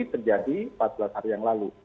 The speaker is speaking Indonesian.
terjadi empat belas hari yang lalu